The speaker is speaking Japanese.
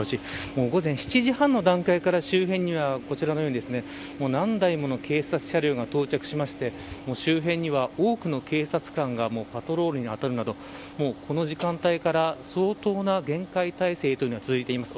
もう午前７時半の段階から周辺には、こちらのように何台もの警察車両が到着しまして周辺には多くの警察官がパトロールに当たるなどもうこの時間から相当な厳戒態勢というのが続いています。